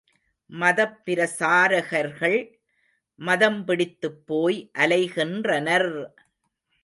மதப்பிரசாரகர்கள், மதம்பிடித்துப் போய் அலைகின்றனர்!